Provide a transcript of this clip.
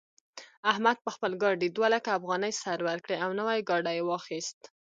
احمد په خپل ګاډي دوه لکه افغانۍ سر ورکړې او نوی ګاډی يې واخيست.